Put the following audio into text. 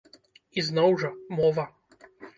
І, зноў жа, мова.